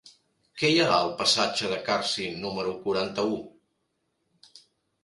Què hi ha al passatge de Carsi número quaranta-u?